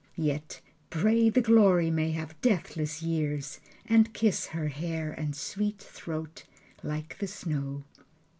Yet pray the glory may have deathless years, And kiss her hair, and sweet throat like the snow.